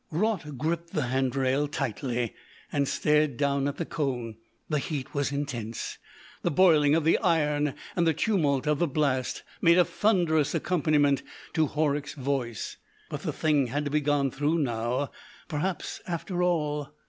Raut gripped the hand rail tightly, and stared down at the cone. The heat was intense. The boiling of the iron and the tumult of the blast made a thunderous accompaniment to Horrocks's voice. But the thing had to be gone through now. Perhaps, after all....